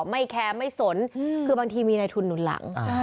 ไม่แคร์ไม่สนคือบางทีมีในทุนหนุนหลัง